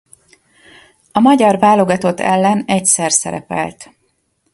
A magyar válogatott ellen egyszer szerepelt.